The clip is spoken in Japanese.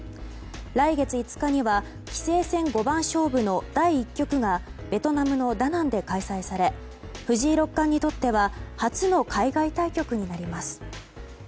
来月５日には棋聖戦五番勝負の第１局がベトナムのダナンで開催され藤井六冠にとっては初の海外対局になります。